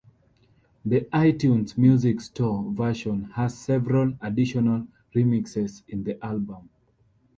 The iTunes Music Store version has several additional remixes in the album.